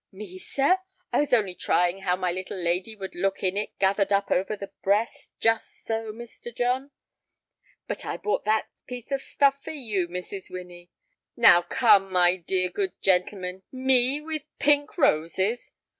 "Me, sir? I was only trying how my little lady would look in it gathered up over the breast—just so, Mr. John." "But I bought that piece of stuff for you, Mrs. Winnie." "Now, come, my dear good gentleman—me with pink roses!"